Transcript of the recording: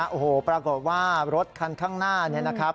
โอ้โหปรากฏว่ารถคันข้างหน้า